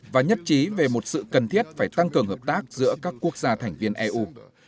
và nhất trí về một sự cần thiết phải tăng cường hợp tác giữa các quốc gia thành viên eu